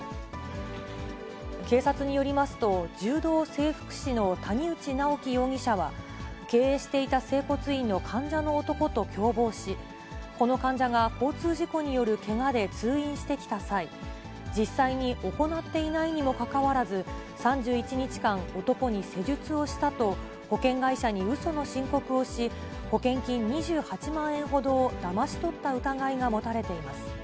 警察によりますと、柔道整復師の谷内直樹容疑者は経営していた整骨院の患者の男と共謀し、この患者が交通事故によるけがで通院してきた際、実際に行っていないにもかかわらず、３１日間、男に施術をしたと、保険会社にうその申告をし、保険金２８万円ほどをだまし取った疑いが持たれています。